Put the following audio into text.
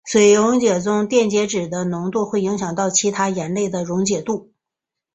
水溶液中电解质的浓度会影响到其他盐类的溶解度。